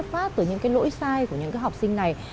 chúng ta phải phát từ những cái lỗi sai của những cái học sinh này